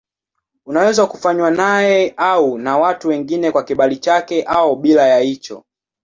Unaweza kufanywa naye au na watu wengine kwa kibali chake au bila ya hicho.